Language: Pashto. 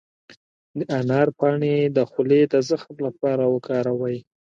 د انار پاڼې د خولې د زخم لپاره وکاروئ